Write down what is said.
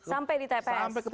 sampai di tps